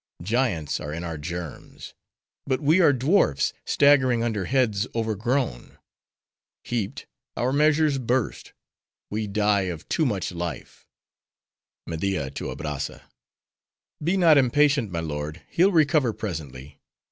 Giants are in our germs; but we are dwarfs, staggering under heads overgrown. Heaped, our measures burst. We die of too much life. MEDIA (to Abrazza)—Be not impatient, my lord; he'll recover presently.